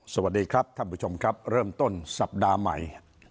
สวัสดีครับท่านผู้ชมครับเริ่มต้นสัปดาห์ใหม่